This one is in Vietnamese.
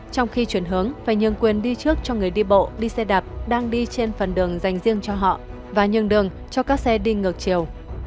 trong khi chuyển hướng phải nhường quyền đi trước cho người đi bộ đi xe đạp đang đi trên phần đường dành riêng cho họ và nhường đường cho các xe đi ngược chiều